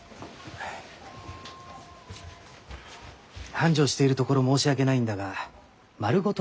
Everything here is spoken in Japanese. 繁盛しているところ申し訳ないんだが丸ごと